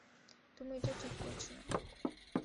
তুমি এটা ঠিক করছোনা।